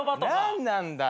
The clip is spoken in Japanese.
何なんだよ。